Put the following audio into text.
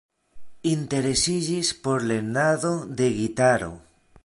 Interesiĝis por lernado de gitaro.